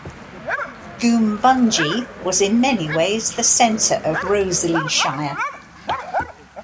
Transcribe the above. Goombungee was in many ways the centre of Rosalie Shire.